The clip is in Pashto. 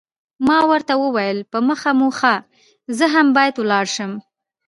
ما ورته وویل، په مخه مو ښه، زه هم باید ولاړ شم.